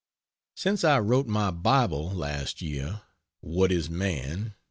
Since I wrote my Bible, (last year) ["What Is Man."